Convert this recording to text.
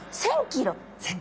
１，０００キロ。